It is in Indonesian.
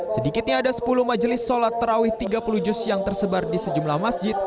sedikitnya ada sepuluh majelis sholat terawih tiga puluh juz yang tersebar di sejumlah masjid